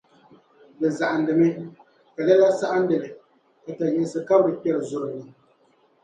di zahindimi, ka lɛla saɣindi li, ka tayiɣisi kabiri kpɛri zuri li.